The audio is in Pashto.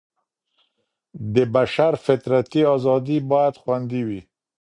د بشر فطرتي ازادي بايد خوندي وي.